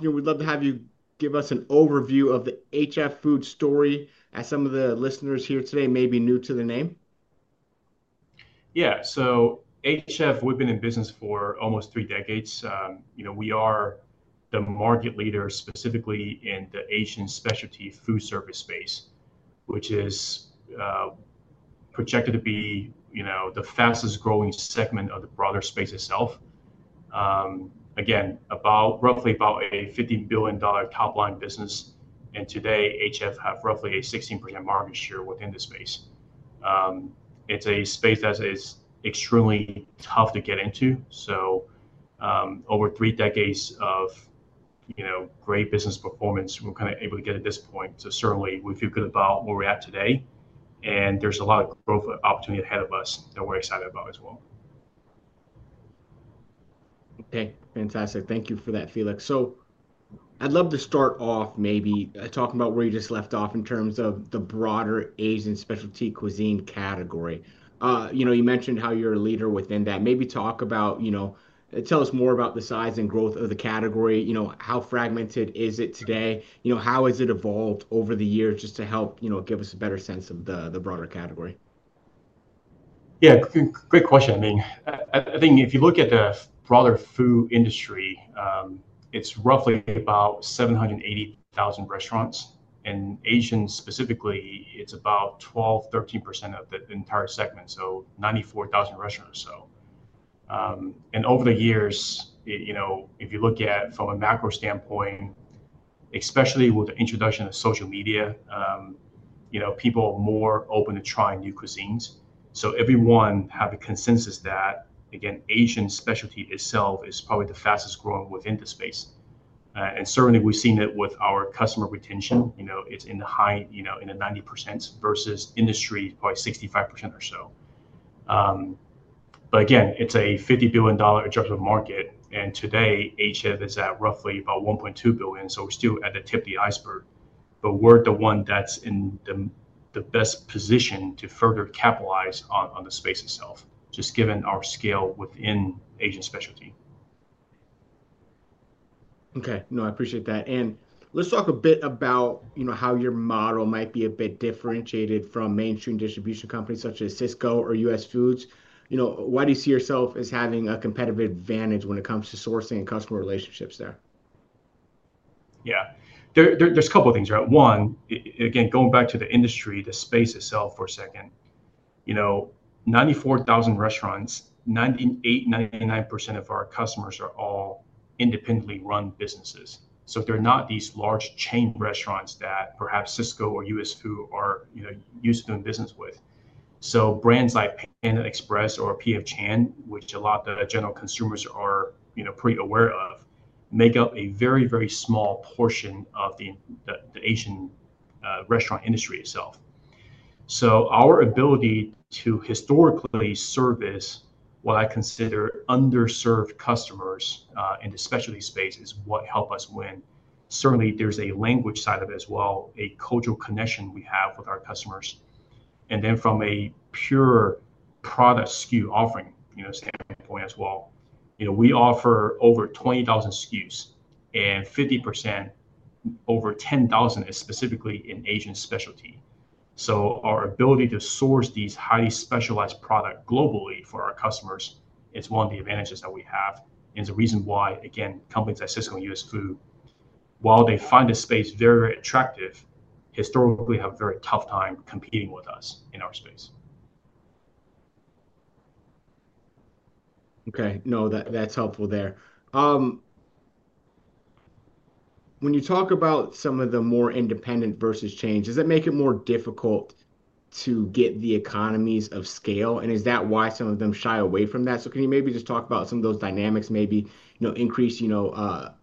We'd love to have you give us an overview of the HF Foods story, as some of the listeners here today may be new to the name. so HF, we've been in business for almost three decades. We are the market leader specifically in the Asian specialty foodservice space, which is projected to be the fastest growing segment of the broader space itself. Again, about roughly a $15 billion top line business. Today, HF has roughly a 16% market share within the space. It's a space that is extremely tough to get into. Over three decades of great business performance, we're kind of able to get to this point. We feel good about where we're at today, and there's a lot of growth opportunity ahead of us that we're excited about as well. Okay, fantastic. Thank you for that, Felix. I'd love to start off maybe talking about where you just left off in terms of the broader Asian specialty cuisine category. You mentioned how you're a leader within that. Maybe talk about, tell us more about the size and growth of the category. How fragmented is it today? How has it evolved over the years just to help give us a better sense of the broader category? Yeah, great question. I mean, I think if you look at the broader food industry, it's roughly about 780,000 restaurants. Asian specifically, it's about 12%-13% of the entire segment, so 94,000 restaurants or so. Over the years, if you look at from a macro standpoint, especially with the introduction of social media, people are more open to trying new cuisines. Everyone has a consensus that, again, Asian specialty itself is probably the fastest growing within the space. Certainly, we've seen it with our customer retention. It's in the high, you know, in the 90% versus industry, probably 65% or so. Again, it's a $50 billion adjustable market. Today, HF is at roughly about $1.2 billion. We're still at the tip of the iceberg. We're the one that's in the best position to further capitalize on the space itself, just given our scale within Asian specialty. Okay, no, I appreciate that. Let's talk a bit about how your model might be a bit differentiated from mainstream distribution companies such as Sysco or US Foods. Why do you see yourself as having a competitive advantage when it comes to sourcing and customer relationships there? Yeah, there's a couple of things, right? One, again, going back to the industry, the space itself for a second. You know, 94,000 restaurants, 98%-99% of our customers are all independently run businesses. They're not these large chain restaurants that perhaps Sysco or US Foods are, you know, used to doing business with. Brands like Panda Express or P.F. Chang, which a lot of the general consumers are, you know, pretty aware of, make up a very, very small portion of the Asian restaurant industry itself. Our ability to historically service what I consider underserved customers in the specialty space is what helps us win. Certainly, there's a language side of it as well, a cultural connection we have with our customers. From a pure product SKU offering standpoint as well, we offer over 20,000 SKUs and 50%, over 10,000, is specifically in Asian specialty. Our ability to source these highly specialized products globally for our customers is one of the advantages that we have. The reason why, again, companies like Sysco or US Foods, while they find the space very, very attractive, historically have a very tough time competing with us in our space. Okay, no, that's helpful there. When you talk about some of the more independent versus chains, does that make it more difficult to get the economies of scale? Is that why some of them shy away from that? Can you maybe just talk about some of those dynamics, maybe increase a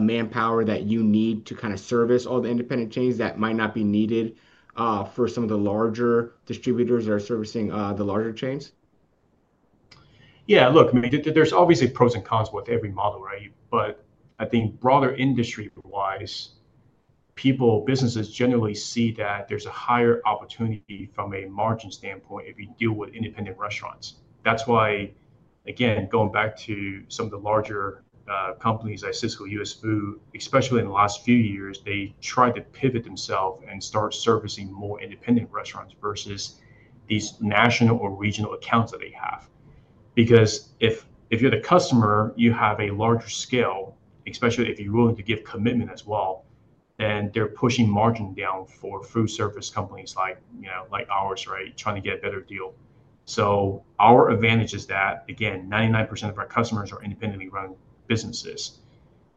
manpower that you need to kind of service all the independent chains that might not be needed for some of the larger distributors that are servicing the larger chains? Yeah, look, I mean, there's always pros and cons with every model, right? I think broader industry-wise, people, businesses generally see that there's a higher opportunity from a margin standpoint if you deal with independent restaurants. That's why, again, going back to some of the larger companies like Sysco or US Foods, especially in the last few years, they tried to pivot themselves and start servicing more independent restaurants versus these national or regional accounts that they have. If you're the customer, you have a larger scale, especially if you're willing to give commitment as well, then they're pushing margin down for food service companies like, you know, like ours, right, trying to get a better deal. Our advantage is that, again, 99% of our customers are independently run businesses.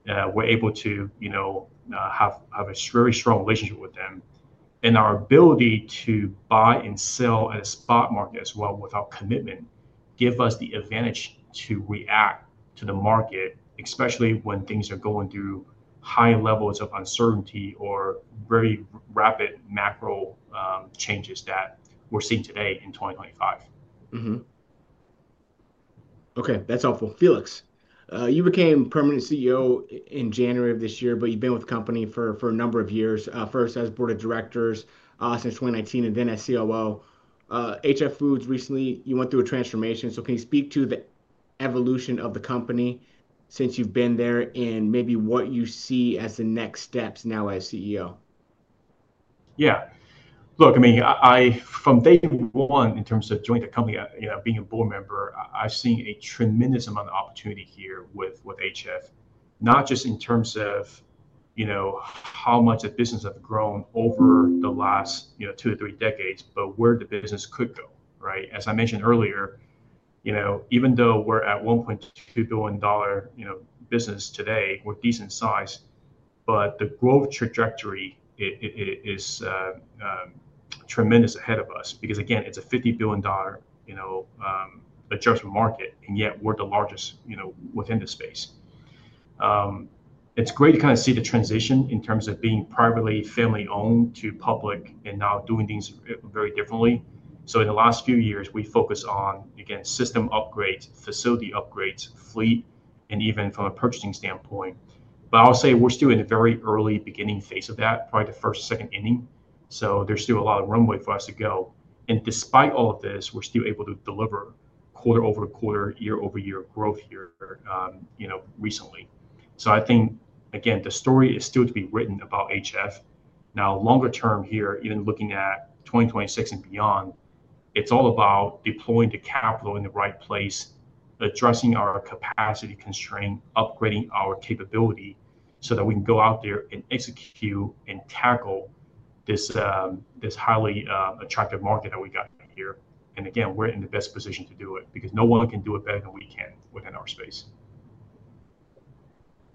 We're able to, you know, have a very strong relationship with them. Our ability to buy and sell at a spot market as well without commitment gives us the advantage to react to the market, especially when things are going through high levels of uncertainty or very rapid macro changes that we're seeing today in 2025. Okay, that's helpful. Felix, you became permanent CEO in January of this year, but you've been with the company for a number of years, first as a Board of Directors since 2019 and then as COO. HF Foods, recently you went through a transformation. Can you speak to the evolution of the company since you've been there and maybe what you see as the next steps now as CEO? Yeah, look, I mean, from day one in terms of joining the company, you know, being a Board Member, I've seen a tremendous amount of opportunity here with HF, not just in terms of, you know, how much the business has grown over the last, you know, two to three decades, but where the business could go, right? As I mentioned earlier, you know, even though we're at a $1.2 billion business today, we're decent sized, but the growth trajectory is tremendous ahead of us because, again, it's a $50 billion adjustable market, and yet we're the largest, you know, within the space. It's great to kind of see the transition in terms of being privately family-owned to public and now doing things very differently. In the last few years, we focused on, again, system upgrades, facility upgrades, fleet, and even from a purchasing standpoint. I'll say we're still in the very early beginning phase of that, probably the first, second inning. There's still a lot of runway for us to go. Despite all of this, we're still able to deliver quarter-over-quarter, year-over-year growth here, you know, recently. I think, again, the story is still to be written about HF. Now, longer term here, even looking at 2026 and beyond, it's all about deploying the capital in the right place, addressing our capacity constraint, upgrading our capability so that we can go out there and execute and tackle this highly attractive market that we got here. Again, we're in the best position to do it because no one can do it better than we can within our space.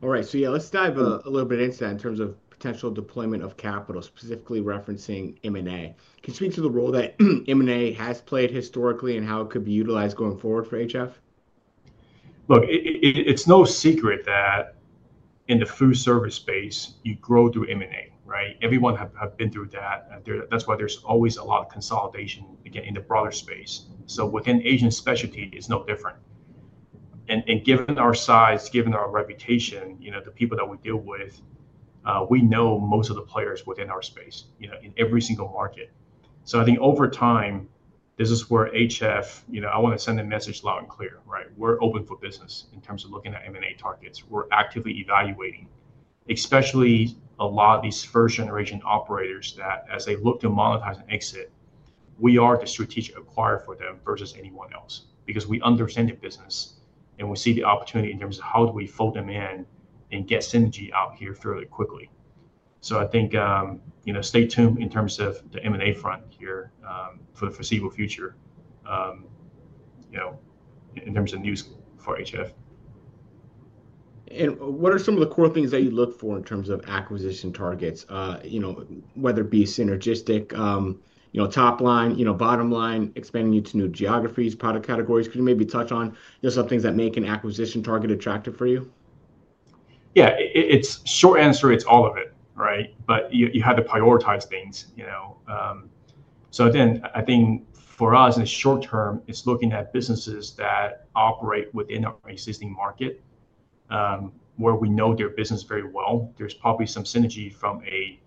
All right, yeah, let's dive a little bit into that in terms of potential deployment of capital, specifically referencing M&A. Can you speak to the role that M&A has played historically and how it could be utilized going forward for HF? Look, it's no secret that in the food service space, you grow through M&A, right? Everyone has been through that. That's why there's always a lot of consolidation in the broader space. Within Asian specialty, it's no different. Given our size, given our reputation, the people that we deal with, we know most of the players within our space in every single market. I think over time, this is where HF, I want to send a message loud and clear, right? We're open for business in terms of looking at M&A targets. We're actively evaluating, especially a lot of these first-generation operators that, as they look to monetize and exit, we are the strategic acquirer for them versus anyone else because we understand the business and we see the opportunity in terms of how do we fold them in and get synergy out here fairly quickly. I think, stay tuned in terms of the M&A front here for the foreseeable future in terms of news for HF. What are some of the core things that you look for in terms of acquisition targets, whether it be synergistic, top line, bottom line, expanding into new geographies, product categories? Can you maybe touch on just some things that make an acquisition target attractive for you? Yeah, it's a short answer. It's all of it, right? You have to prioritize things, you know. Again, I think for us in the short-term, it's looking at businesses that operate within our existing market where we know their business very well. There's probably some synergy from a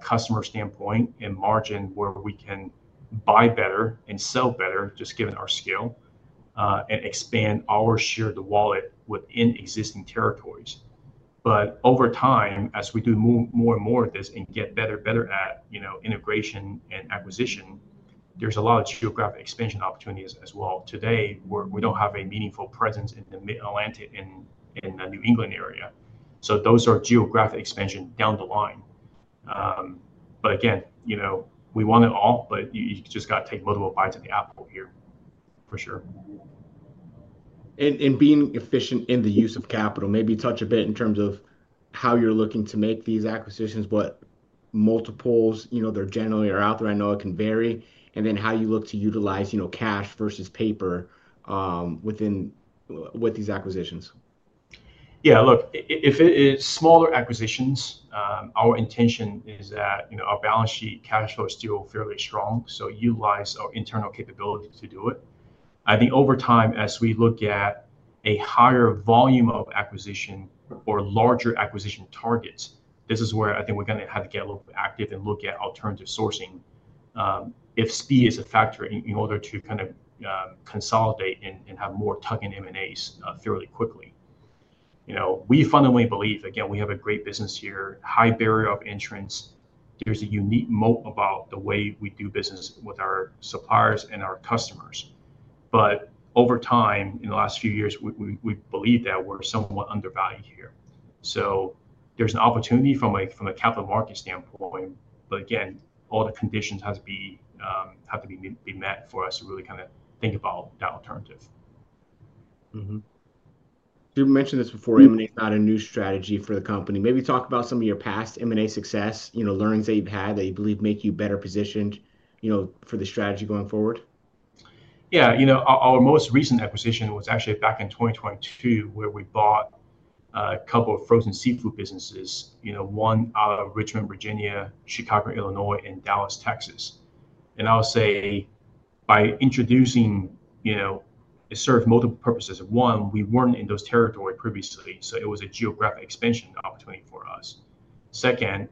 customer standpoint and margin where we can buy better and sell better, just given our scale, and expand our share of the wallet within existing territories. Over time, as we do more and more of this and get better and better at, you know, integration and acquisition, there's a lot of geographic expansion opportunities as well. Today, we don't have a meaningful presence in the Mid-Atlantic and in the New England area. Those are geographic expansions down the line. You know, we want it all, but you just got to take multiple bites of the apple here for sure. Being efficient in the use of capital, maybe touch a bit in terms of how you're looking to make these acquisitions, what multiples there generally are out there. I know it can vary. Then how you look to utilize cash versus paper within these acquisitions. Yeah, look, if it is smaller acquisitions, our intention is that, you know, our balance sheet cash flow is still fairly strong, so utilize our internal capability to do it. I think over time, as we look at a higher volume of acquisition or larger acquisition targets, this is where I think we're going to have to get a little bit active and look at alternative sourcing if speed is a factor in order to kind of consolidate and have more tuck-in M&As fairly quickly. We fundamentally believe, again, we have a great business here, high barrier of entrance. There's a unique moat about the way we do business with our suppliers and our customers. Over time, in the last few years, we believe that we're somewhat undervalued here. There's an opportunity from a capital market standpoint. Again, all the conditions have to be met for us to really kind of think about that alternative. You mentioned this before, M&A is not a new strategy for the company. Maybe talk about some of your past M&A success, learnings that you've had that you believe make you better positioned for the strategy going forward. Yeah, you know, our most recent acquisition was actually back in 2022 where we bought a couple of frozen seafood businesses, one out of Richmond, Virginia, Chicago, Illinois, and Dallas, Texas. I'll say by introducing, it served multiple purposes. One, we weren't in those territories previously, so it was a geographic expansion opportunity for us. Second,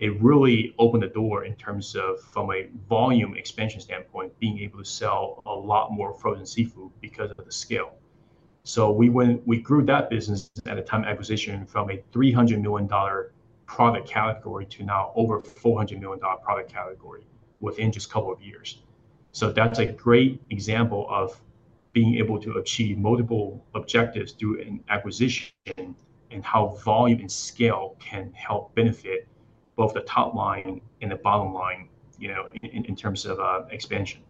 it really opened the door in terms of, from a volume expansion standpoint, being able to sell a lot more frozen seafood because of the scale. We grew that business at a time of acquisition from a $300 million product category to now over a $400 million product category within just a couple of years. That's a great example of being able to achieve multiple objectives through an acquisition and how volume and scale can help benefit both the top line and the bottom line in terms of expansion.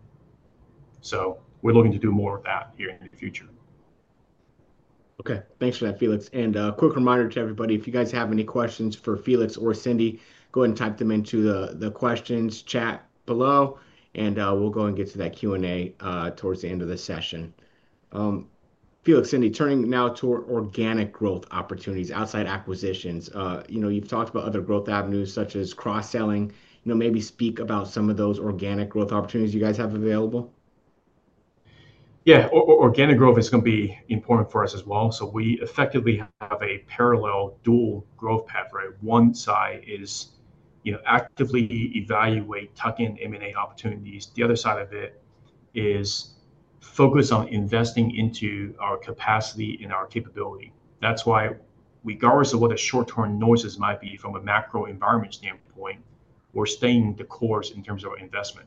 We're looking to do more of that here in the future. Okay, thanks for that, Felix. A quick reminder to everybody, if you guys have any questions for Felix or Cindy, go ahead and type them into the questions chat below and we'll go ahead and get to that Q&A towards the end of the session. Felix, Cindy, turning now toward organic growth opportunities, outside acquisitions, you've talked about other growth avenues such as cross-selling. Maybe speak about some of those organic growth opportunities you guys have available. Yeah, organic growth is going to be important for us as well. We effectively have a parallel dual growth path, right? One side is, you know, actively evaluating tuck-in M&A opportunities. The other side of it is focused on investing into our capacity and our capability. That's why, regardless of what the short-term noises might be from a macro environment standpoint, we're staying the course in terms of our investment.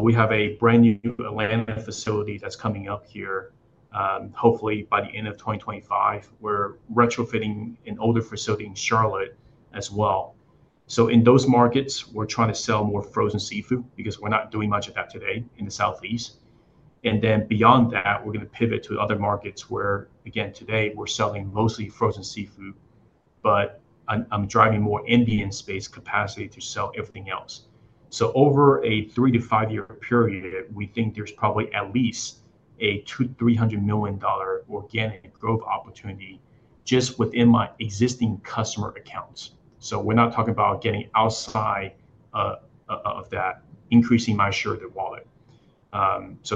We have a brand new Atlanta facility that's coming up here, hopefully by the end of 2025. We're retrofitting an older facility in Charlotte as well. In those markets, we're trying to sell more frozen seafood because we're not doing much of that today in the Southeast. Beyond that, we're going to pivot to other markets where, again, today we're selling mostly frozen seafood, but I'm driving more Indian-based capacity to sell everything else. Over a three to five-year period, we think there's probably at least a $200 million-$300 million organic growth opportunity just within my existing customer accounts. We're not talking about getting outside of that, increasing my share of the wallet.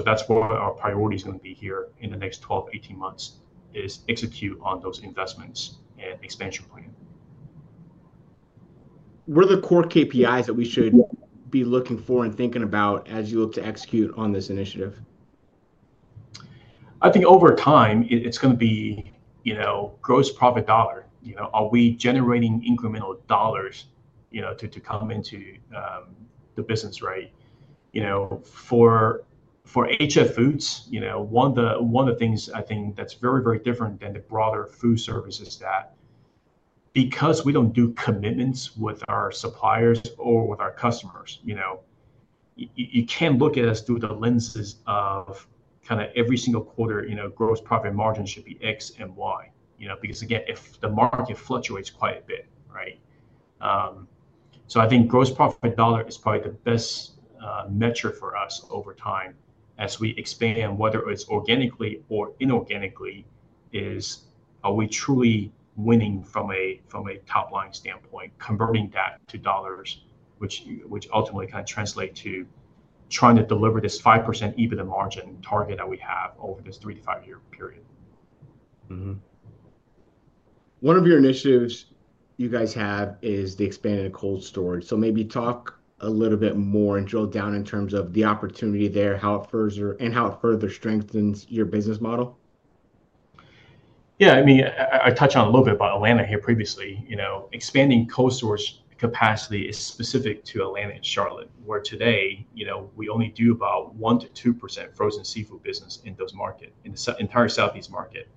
That's where our priority is going to be here in the next 12-18 months, is execute on those investments and expansion plan. What are the core KPIs that we should be looking for and thinking about as you look to execute on this initiative? I think over time it's going to be, you know, gross profit dollar. Are we generating incremental dollars, you know, to come into the business, right? For HF Foods, one of the things I think that's very, very different than the broader foodservice is that because we don't do commitments with our suppliers or with our customers, you can't look at us through the lenses of kind of every single quarter, you know, gross profit margin should be X and Y, because again, if the market fluctuates quite a bit, right? I think gross profit by dollar is probably the best metric for us over time as we expand, whether it's organically or inorganically. Are we truly winning from a top line standpoint, converting that to dollars, which ultimately kind of translates to trying to deliver this 5% EBITDA margin target that we have over this three to five-year period. One of your initiatives you guys have is the expanded cold storage. Maybe talk a little bit more and drill down in terms of the opportunity there, how it further strengthens your business model. Yeah, I mean, I touched on a little bit about Atlanta here previously. Expanding cold storage capacity is specific to Atlanta and Charlotte, where today, we only do about 1%-2% frozen seafood business in those markets, in the entire Southeast market,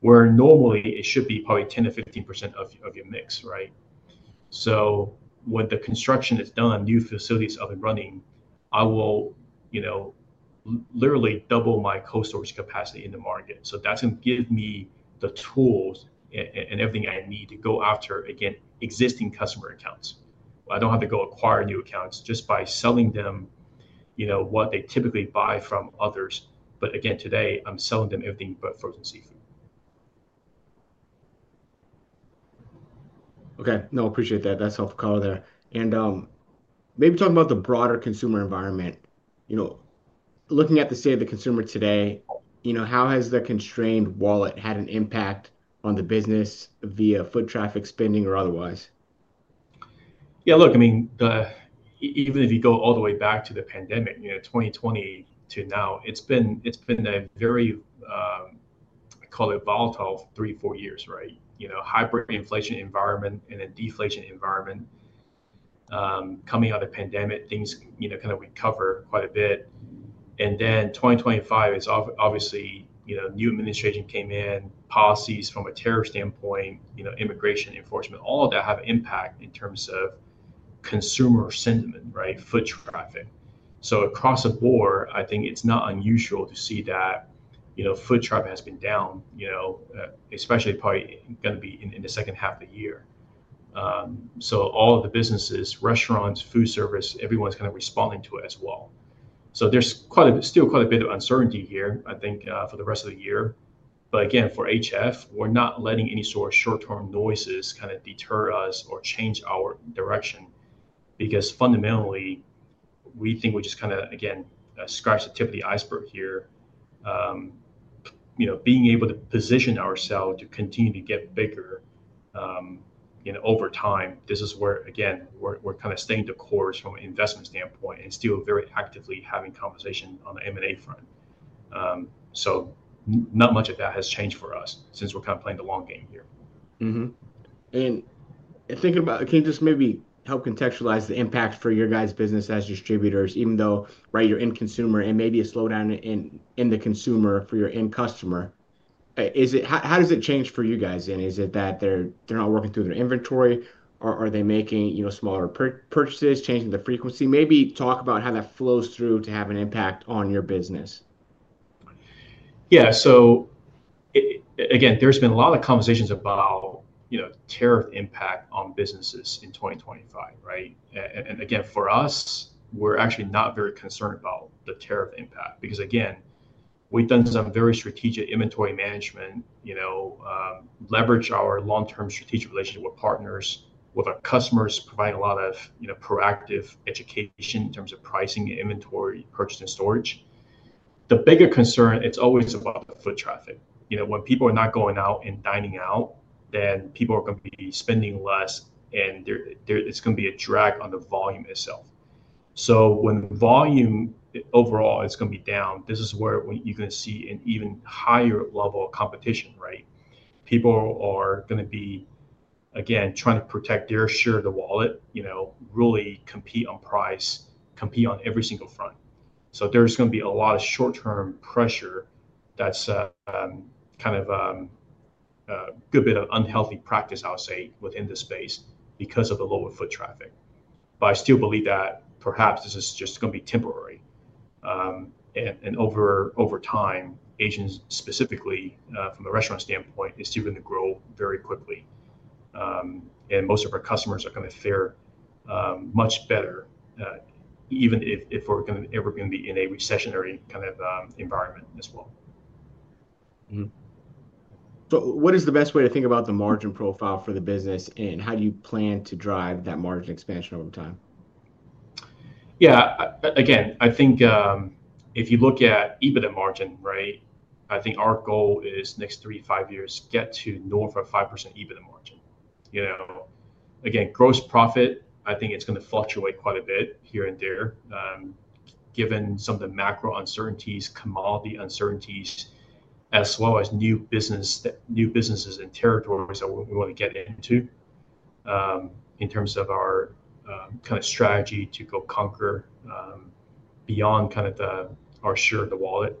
where normally it should be probably 10%-15% of your mix, right? When the construction is done, new facilities up and running, I will literally double my cold storage capacity in the market. That's going to give me the tools and everything I need to go after, again, existing customer accounts. I don't have to go acquire new accounts just by selling them what they typically buy from others. Again, today I'm selling them everything but frozen seafood. Okay, no, I appreciate that. That's helpful color there. Maybe talk about the broader consumer environment. You know, looking at the state of the consumer today, you know, how has the constrained wallet had an impact on the business via foot traffic, spending, or otherwise? Yeah, look, I mean, even if you go all the way back to the pandemic, you know, 2020 to now, it's been a very, I call it volatile three, four years, right? You know, hybrid inflation environment and a deflation environment. Coming out of the pandemic, things, you know, kind of recovered quite a bit. In 2025, obviously, you know, new administration came in, policies from a tariff standpoint, you know, immigration enforcement, all of that have an impact in terms of consumer sentiment, right? Foot traffic. Across the board, I think it's not unusual to see that, you know, foot traffic has been down, you know, especially probably going to be in the second half of the year. All of the businesses, restaurants, food service, everyone's kind of responding to it as well. There's still quite a bit of uncertainty here, I think, for the rest of the year. Again, for HF, we're not letting any sort of short-term noises kind of deter us or change our direction because fundamentally, we think we just kind of, again, scratched the tip of the iceberg here. You know, being able to position ourselves to continue to get bigger, you know, over time, this is where, again, we're kind of staying the course from an investment standpoint and still very actively having conversations on the M&A front. Not much of that has changed for us since we're kind of playing the long game here. Can you just maybe help contextualize the impact for your guys' business as distributors, even though you're in consumer and maybe a slowdown in the consumer for your end customer? How does it change for you guys? Is it that they're not working through their inventory or are they making smaller purchases, changing the frequency? Maybe talk about how that flows through to have an impact on your business. Yeah, so again, there's been a lot of conversations about, you know, tariff impact on businesses in 2025, right? For us, we're actually not very concerned about the tariff impact because, again, we've done some very strategic inventory management, leveraged our long-term strategic relationship with partners, with our customers, providing a lot of, you know, proactive education in terms of pricing and inventory, purchase, and storage. The bigger concern, it's always about the foot traffic. You know, when people are not going out and dining out, then people are going to be spending less and there's going to be a drag on the volume itself. When the volume overall is going to be down, this is where you're going to see an even higher level of competition, right? People are going to be, again, trying to protect their share of the wallet, really compete on price, compete on every single front. There's going to be a lot of short-term pressure that's kind of a good bit of unhealthy practice, I'll say, within the space because of the lower foot traffic. I still believe that perhaps this is just going to be temporary. Over time, Asian specifically, from a restaurant standpoint, is still going to grow very quickly. Most of our customers are going to fare much better, even if we're ever going to be in a recessionary kind of environment as well. What is the best way to think about the margin profile for the business, and how do you plan to drive that margin expansion over time? Yeah, again, I think if you look at EBITDA margin, right, I think our goal is next three to five years to get to north of 5% EBITDA margin. You know, again, gross profit, I think it's going to fluctuate quite a bit here and there, given some of the macro uncertainties, commodity uncertainties, as well as new businesses and territories that we want to get into in terms of our kind of strategy to go conquer beyond kind of our share of the wallet.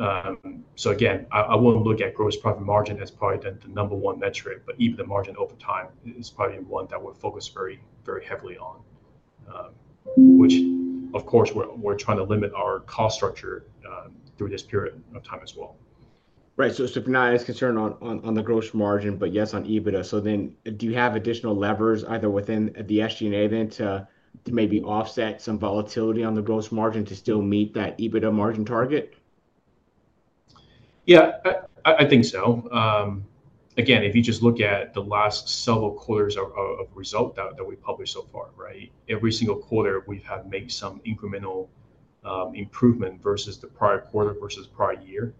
I wouldn't look at gross profit margin. That's probably the number one metric, but EBITDA margin over time is probably one that we're focused very, very heavily on, which of course we're trying to limit our cost structure through this period of time as well. Right, so it's not as concerned on the gross margin, but yes, on EBITDA. Do you have additional levers either within the SG&A then to maybe offset some volatility on the gross margin to still meet that EBITDA margin target? Yeah, I think so. Again, if you just look at the last several quarters of the result that we published so far, right, every single quarter we've had made some incremental improvement versus the prior quarter versus the prior year.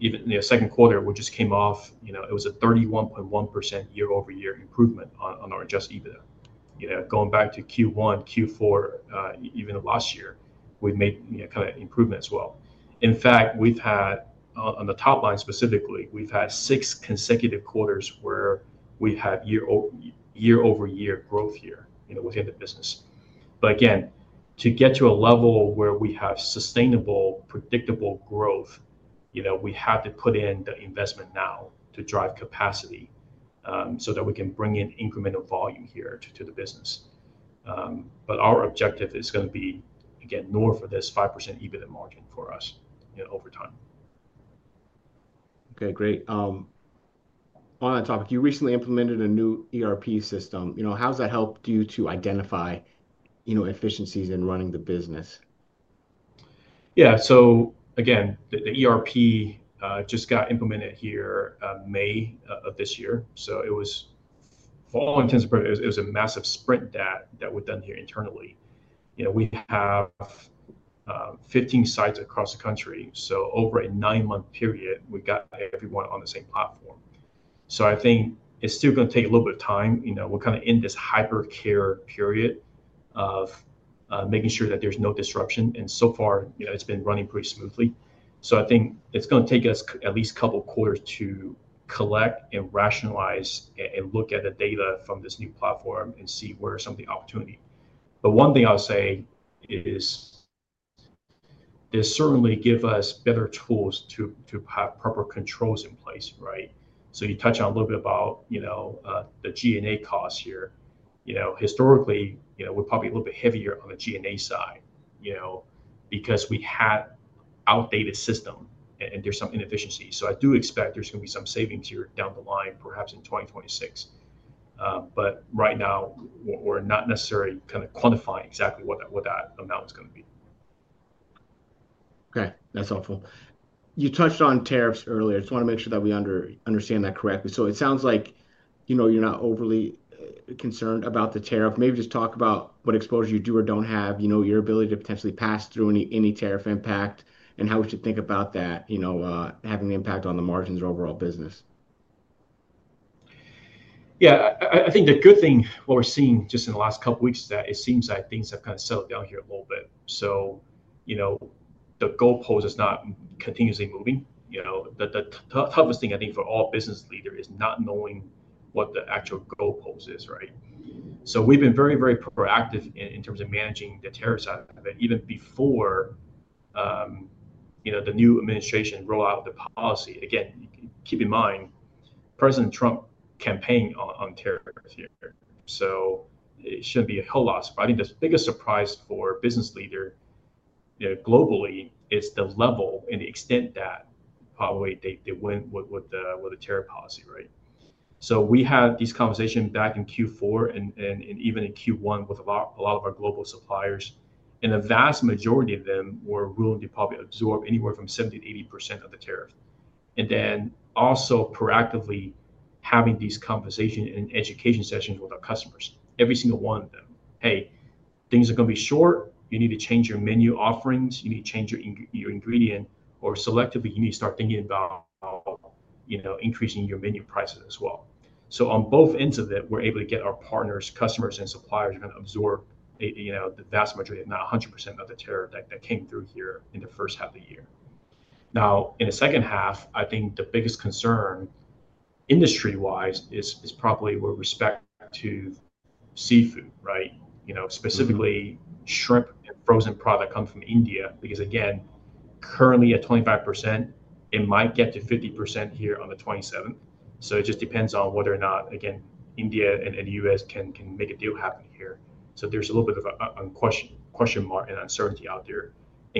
Even in the second quarter, we just came off, you know, it was a 31.1% year-over-year improvement on our adjusted EBITDA. Going back to Q1, Q4, even of last year, we've made kind of improvements as well. In fact, we've had, on the top line specifically, we've had six consecutive quarters where we've had year-over-year growth here within the business. Again, to get to a level where we have sustainable, predictable growth, you know, we have to put in the investment now to drive capacity so that we can bring in incremental volume here to the business. Our objective is going to be, again, north of this 5% EBITDA margin for us over time. Okay, great. On that topic, you recently implemented a new ERP system. How has that helped you to identify efficiencies in running the business? Yeah, so again, the ERP just got implemented here in May of this year. It was a massive sprint that we've done here internally. We have 15 sites across the country. Over a nine-month period, we got everyone on the same platform. I think it's still going to take a little bit of time. We're kind of in this hyper-care period of making sure that there's no disruption. So far, it's been running pretty smoothly. I think it's going to take us at least a couple of quarters to collect and rationalize and look at the data from this new platform and see where there's some opportunity. One thing I'll say is it certainly gives us better tools to have proper controls in place, right? You touch on a little bit about the SG&A costs here. Historically, we're probably a little bit heavier on the SG&A side because we had an outdated system and there's some inefficiencies. I do expect there's going to be some savings here down the line, perhaps in 2026. Right now, we're not necessarily kind of quantifying exactly what that amount is going to be. Okay, that's helpful. You touched on tariffs earlier. I just want to make sure that we understand that correctly. It sounds like, you know, you're not overly concerned about the tariff. Maybe just talk about what exposure you do or don't have, your ability to potentially pass through any tariff impact, and how we should think about that, you know, having the impact on the margins of overall business. Yeah, I think the good thing, what we're seeing just in the last couple of weeks, is that it seems like things have kind of settled down here a little bit. The goalpost is not continuously moving. The toughest thing, I think, for all business leaders is not knowing what the actual goalpost is, right? We've been very, very proactive in terms of managing the tariffs out of it even before the new administration rolled out the policy. Again, keep in mind, President Trump campaigned on tariffs here. It shouldn't be a hill loss. I think the biggest surprise for business leaders globally is the level and the extent that probably they went with the tariff policy, right? We had these conversations back in Q4 and even in Q1 with a lot of our global suppliers. The vast majority of them were willing to probably absorb anywhere from 70%-80% of the tariff. Also, proactively having these conversations and education sessions with our customers, every single one of them. Hey, things are going to be short. You need to change your menu offerings. You need to change your ingredients. Or, selectively, you need to start thinking about increasing your menu prices as well. On both ends of it, we're able to get our partners, customers, and suppliers to kind of absorb the vast majority, if not 100%, of the tariff that came through here in the first half of the year. Now, in the second half, I think the biggest concern industry-wise is probably with respect to seafood, right? Specifically shrimp and frozen products that come from India, because again, currently at 25%, it might get to 50% here on the 27th. It just depends on whether or not India and the U.S. can make a deal happen here. There's a little bit of a question mark and uncertainty out there.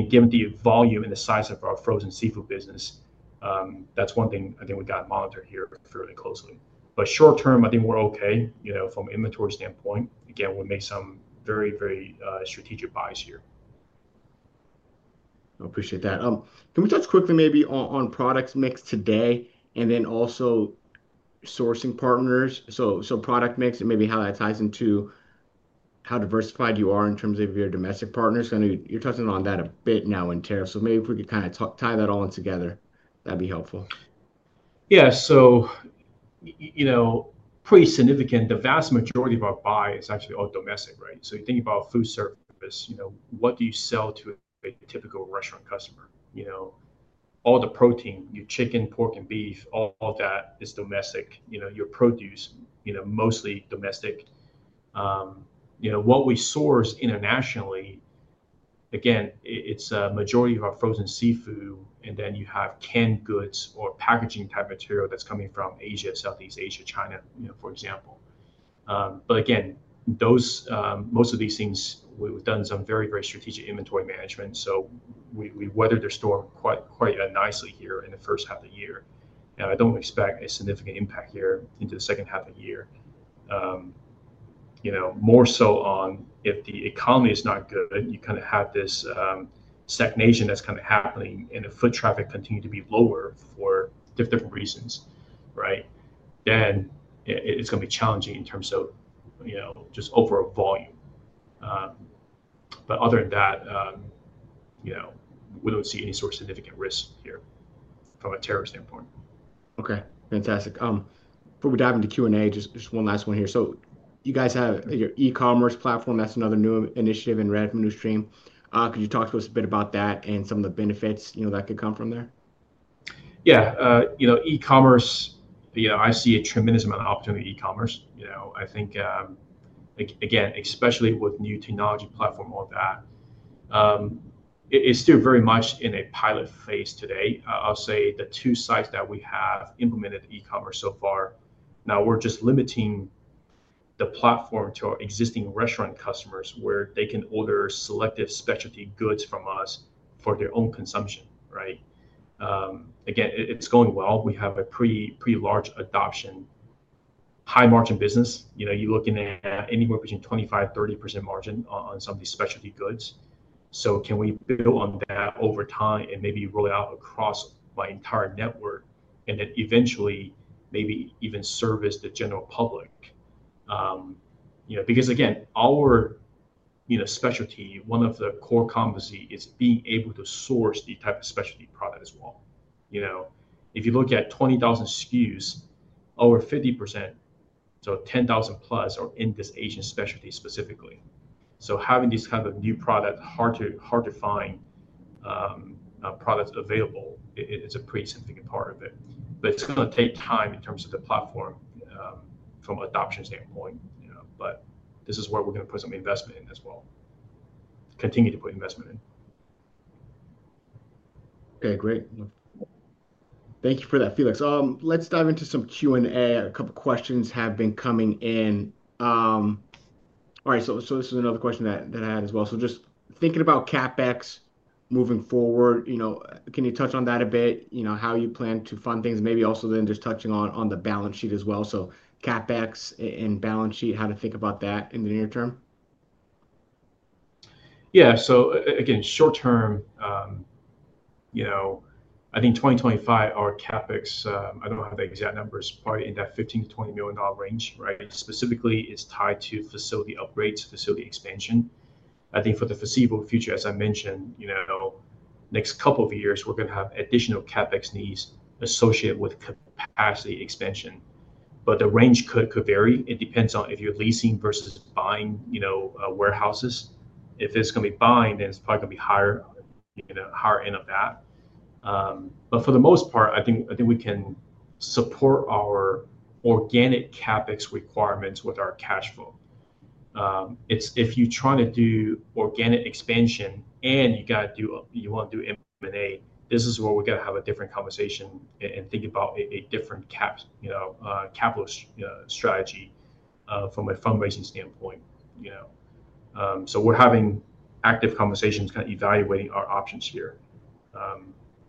Given the volume and the size of our frozen seafood business, that's one thing we've got to monitor here fairly closely. Short-term, I think we're okay from an inventory standpoint. Again, we'll make some very, very strategic buys here. I appreciate that. Can we touch quickly maybe on product mix today and then also sourcing partners? Product mix and maybe how that ties into how diversified you are in terms of your domestic partners. I know you're touching on that a bit now in tariffs, so maybe if we could kind of tie that all together, that'd be helpful. Yeah, so, pretty significant, the vast majority of our buy is actually all domestic, right? You think about food services, what do you sell to a typical restaurant customer? All the protein, your chicken, pork, and beef, all that is domestic. Your produce, mostly domestic. What we source internationally, again, it's a majority of our frozen seafood, and then you have canned goods or packaging type material that's coming from Asia, Southeast Asia, China, for example. Again, most of these things, we've done some very, very strategic inventory management. We weathered the storm quite nicely here in the first half of the year. I don't expect a significant impact here into the second half of the year. More so on if the economy is not good, you kind of have this stagnation that's kind of happening and the foot traffic continues to be lower for different reasons, right? It's going to be challenging in terms of just overall volume. Other than that, we don't see any sort of significant risk here from a tariff standpoint. Okay, fantastic. Before we dive into Q&A, just one last one here. You guys have your e-commerce platform, that's another new initiative in Red from New Stream. Could you talk to us a bit about that and some of the benefits, you know, that could come from there? Yeah, you know, e-commerce, I see a tremendous amount of opportunity in e-commerce. I think, again, especially with new technology platform, all of that, it's still very much in a pilot phase today. I'll say the two sites that we have implemented e-commerce so far, now we're just limiting the platform to our existing restaurant customers where they can order selective specialty goods from us for their own consumption, right? Again, it's going well. We have a pretty large adoption, high margin business. You're looking at anywhere between 25%-30% margin on some of these specialty goods. Can we build on that over time and maybe roll it out across my entire network and then eventually maybe even service the general public? Our specialty, one of the core competencies is being able to source these types of specialty products as well. If you look at 20,000 SKUs, over 50%, so 10,000+ are in this Asian specialty specifically. Having these types of new products, hard to find products available, it's a pretty significant part of it. It's going to take time in terms of the platform from an adoption standpoint. This is where we're going to put some investment in as well, continue to put investment in. Okay, great. Thank you for that, Felix. Let's dive into some Q&A. A couple of questions have been coming in. This is another question that I had as well. Just thinking about CapEx moving forward, can you touch on that a bit, how you plan to fund things and maybe also then just touching on the balance sheet as well? CapEx and balance sheet, how to think about that in the near term? Yeah, so again, short-term, I think 2025, our CapEx, I don't have the exact numbers, probably in that $15 million-$20 million range, right? Specifically, it's tied to facility upgrades, facility expansion. I think for the foreseeable future, as I mentioned, the next couple of years, we're going to have additional CapEx needs associated with capacity expansion. The range could vary. It depends on if you're leasing versus buying warehouses. If it's going to be buying, then it's probably going to be higher, in the higher end of that. For the most part, I think we can support our organic CapEx requirements with our cash flow. If you're trying to do organic expansion and you want to do M&A, this is where we're going to have a different conversation and think about a different capital strategy from a fundraising standpoint. We're having active conversations, kind of evaluating our options here.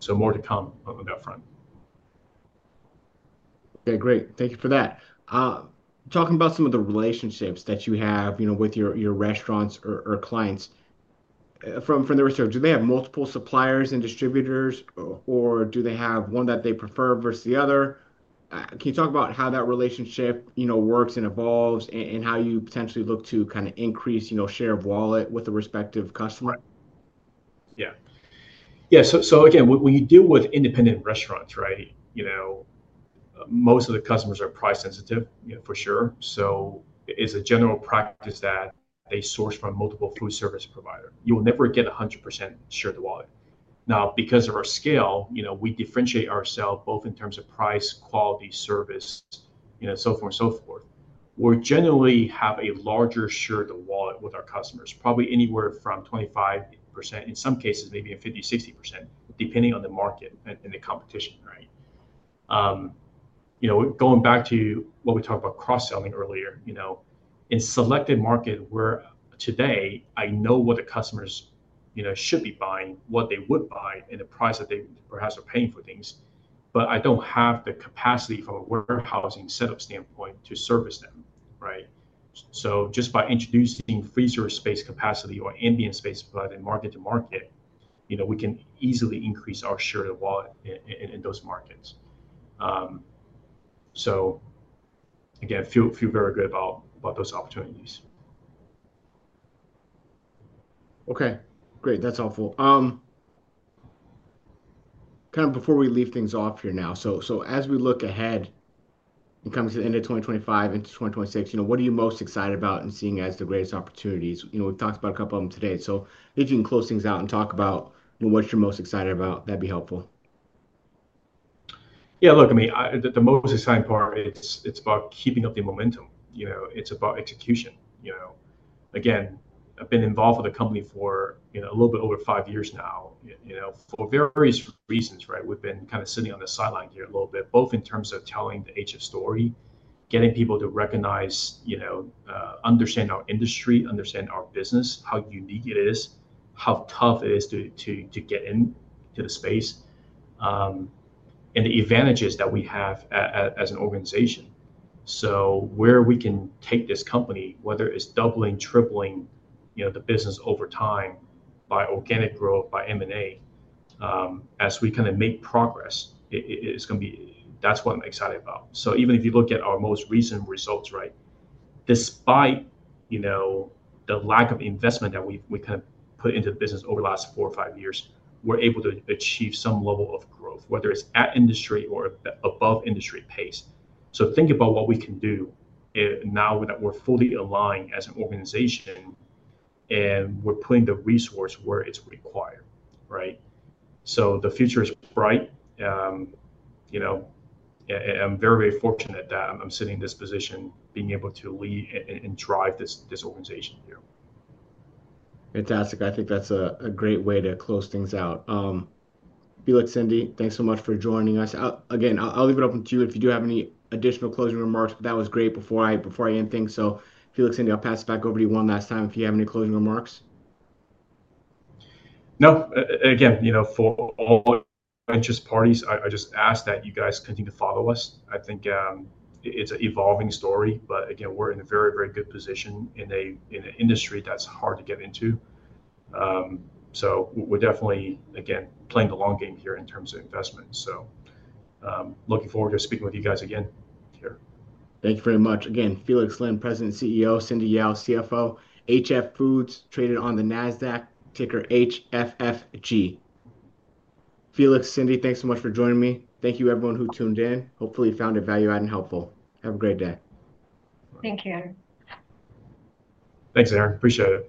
More to come on that front. Okay, great. Thank you for that. Talking about some of the relationships that you have with your restaurants or clients, from the rest of them, do they have multiple suppliers and distributors, or do they have one that they prefer versus the other? Can you talk about how that relationship works and evolves and how you potentially look to kind of increase share of wallet with the respective customer? Yeah. Yeah, so again, when you deal with independent restaurants, right, you know, most of the customers are price-sensitive, you know, for sure. It's a general practice that they source from multiple food service providers. You will never get 100% share of the wallet. Now, because of our scale, you know, we differentiate ourselves both in terms of price, quality, service, and so forth. We generally have a larger share of the wallet with our customers, probably anywhere from 25%, in some cases maybe 50%, 60%, depending on the market and the competition, right? Going back to what we talked about cross-selling earlier, in selected markets, where today I know what the customers should be buying, what they would buy, and the price that they perhaps are paying for things, but I don't have the capacity from a warehousing setup standpoint to service them, right? Just by introducing freezer space capacity or ambient space, but in market-to-market we can easily increase our share of the wallet in those markets. I feel very good about those opportunities. Okay, great. That's helpful. Before we leave things off here now, as we look ahead and come to the end of 2025 into 2026, what are you most excited about and seeing as the greatest opportunities? We've talked about a couple of them today. If you can close things out and talk about what you're most excited about, that'd be helpful. Yeah, look, I mean, the most exciting part is it's about keeping up the momentum. It's about execution. I've been involved with the company for a little bit over five years now for various reasons, right? We've been kind of sitting on the sideline here a little bit, both in terms of telling the HF story, getting people to recognize, understand our industry, understand our business, how unique it is, how tough it is to get into the space, and the advantages that we have as an organization. Where we can take this company, whether it's doubling, tripling the business over time by organic growth, by M&A, as we make progress, that's what I'm excited about. Even if you look at our most recent results, despite the lack of investment that we put into the business over the last four or five years, we're able to achieve some level of growth, whether it's at industry or above industry pace. Think about what we can do now that we're fully aligned as an organization and we're putting the resource where it's required, right? The future is bright. I'm very, very fortunate that I'm sitting in this position, being able to lead and drive this organization here. Fantastic. I think that's a great way to close things out. Felix, Cindy, thanks so much for joining us. I'll leave it open to you if you do have any additional closing remarks. That was great before I end things. Felix, Cindy, I'll pass it back over to you one last time if you have any closing remarks. No. For all the interested parties, I just ask that you guys continue to follow us. I think it's an evolving story, but again, we're in a very, very good position in an industry that's hard to get into. We're definitely, again, playing the long game here in terms of investment. Looking forward to speaking with you guys again here. Thank you very much. Again, Felix Lin, President and CEO, Cindy Yao, CFO, HF Foods, traded on the Nasdaq, ticker HFFG. Felix, Cindy, thanks so much for joining me. Thank you, everyone who tuned in. Hopefully, you found it value-added and helpful. Have a great day. Thanks, Aaron. Thanks, Aaron. Appreciate it.